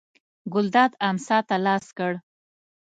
ګلداد امسا ته لاس کړ.